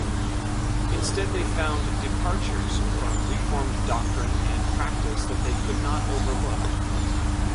Instead they found departures from Reformed doctrine and practice that they could not overlook.